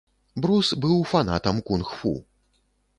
Брус быў фанатам кунг-фу.